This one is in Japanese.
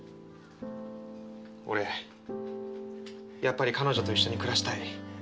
俺やっぱり彼女と一緒に暮らしたい。